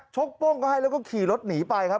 โป้งเขาให้แล้วก็ขี่รถหนีไปครับ